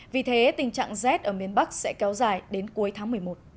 vì thế tình trạng rét ở miền bắc sẽ kéo dài đến cuối tháng một mươi một